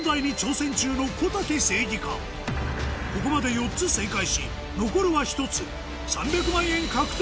ここまで４つ正解し残るは１つ！